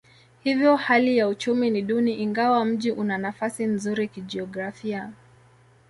Hivyo hali ya uchumi ni duni ingawa mji una nafasi nzuri kijiografia.